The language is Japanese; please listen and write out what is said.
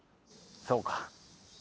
そうか。